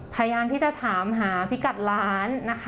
พยายามที่จะถามหาพิกัดร้านนะคะ